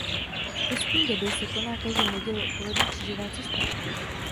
V postní době se koná každou neděli odpoledne křížová cesta.